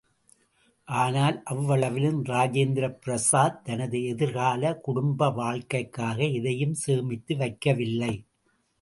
ஆனால், அவ்வளவிலும், ராஜேந்திர பிரசாத் தனது எதிர்க்கால குடும்ப வாழ்க்கைக்காக எதையும் சேமித்து வைக்கவில்லை.